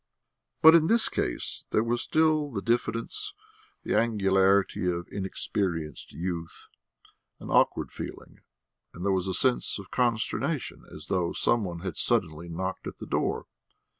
But in this case there was still the diffidence, the angularity of inexperienced youth, an awkward feeling; and there was a sense of consternation as though some one had suddenly knocked at the door.